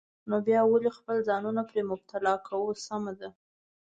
نو بیا ولې خپل ځانونه پرې مبتلا کوو؟ سمه ده.